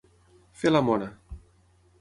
Fer la mona.